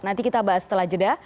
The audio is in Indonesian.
nanti kita bahas setelah jeda